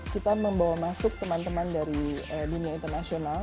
kita membawa masuk teman teman dari dunia internasional